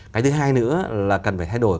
cái thứ hai nữa là cần phải thay đổi